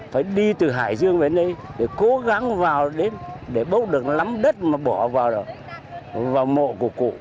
phải đi từ hải dương về đây để cố gắng vào để bấu được lắm đất mà bỏ vào mộ của cụ